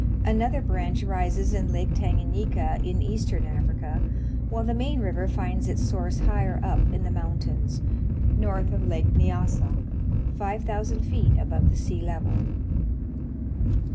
Another branch i ises in Lake Tanganyika in eastern Africa, while the main river finds its source higher up in the mountains, north of Lake Nyassa, 5,000 feet above the sea level.